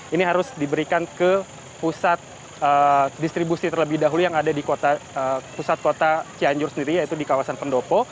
ini harus diberikan ke pusat distribusi terlebih dahulu yang ada di pusat kota cianjur sendiri yaitu di kawasan pendopo